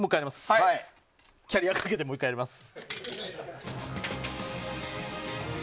キャリアをかけてもう１回やります。